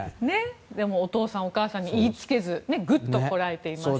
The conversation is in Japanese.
でも、お父さんお母さんに言いつけずにぐっとこらえていました。